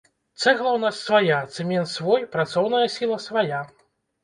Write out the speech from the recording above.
Цэгла ў нас свая, цэмент свой, працоўная сіла свая.